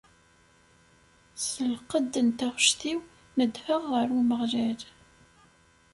S lqedd n taɣect-iw, neddheɣ ɣer Umeɣlal.